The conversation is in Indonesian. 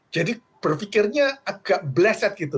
jadi berfikirnya agak blessed gitu